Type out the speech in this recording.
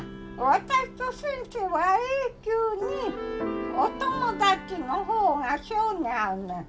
私と先生は永久にお友達の方が性に合うねん。